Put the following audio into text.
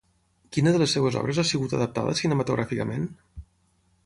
Quina de les seves obres ha sigut adaptada cinematogràficament?